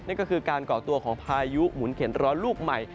นี่ก็คือการเกาะตัวของพายุหุ่นเข็นล้อลูกใหม่